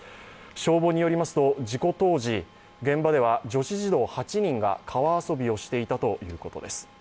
消防によりますと、事故当時、現場では女子児童８人が川遊びをしていたということです。